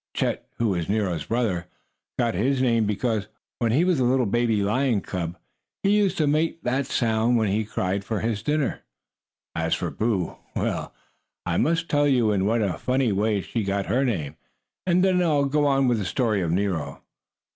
Chet, who was Nero's brother, got his name because, when he was a little baby lion cub, he used to make that sound when he cried for his dinner. As for Boo well, I must tell you in what a funny way she got her name, and then I'll go on with the story of Nero.